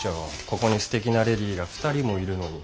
ここにすてきなレディーが２人もいるのに。